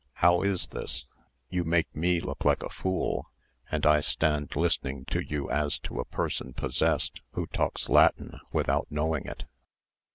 How is this? You make me look like a fool, and I stand listening to you as to a person possessed, who talks Latin without knowing it."